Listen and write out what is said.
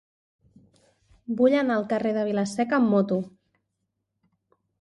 Vull anar al carrer de Vila-seca amb moto.